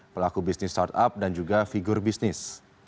pelaku bisnis startup dan juga figur bisnis